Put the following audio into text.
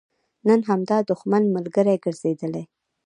نن همدا دښمن ملګری ګرځېدلی.